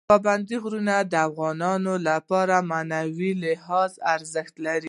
پابندی غرونه د افغانانو لپاره په معنوي لحاظ ارزښت لري.